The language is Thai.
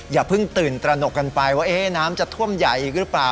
อย่าเพิ่งตื่นตระหนกกันไปว่าน้ำจะท่วมใหญ่อีกหรือเปล่า